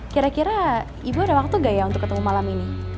kira kira ibu ada waktu gak ya untuk ketemu malam ini